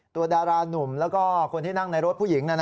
ดารานุ่มแล้วก็คนที่นั่งในรถผู้หญิง